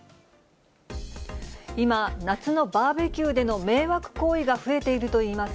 今、夏のバーベキューでの迷惑行為が増えているといいます。